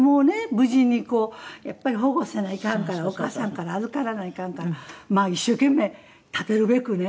無事にこうやっぱり保護せないかんからお母さんから預からないかんからまあ一生懸命建てるべくね